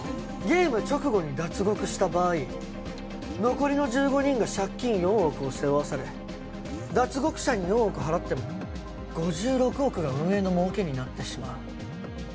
ゲーム直後に脱獄した場合残りの１５人が借金４億を背負わされ脱獄者に４億払っても５６億が運営の儲けになってしまう。